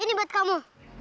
ini buat kamu